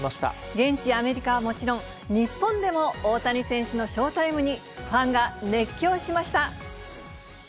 現地アメリカはもちろん、日本でも大谷選手のショウタイムに、ファンが熱狂しました。